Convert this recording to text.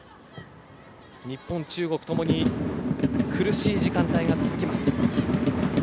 日本、中国ともに苦しい時間帯が続きます。